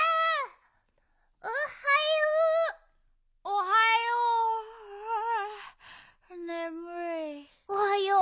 おはよう。